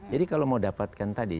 jadi kalau mau dapatkan tadi